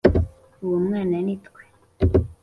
uwo mwana ni twe,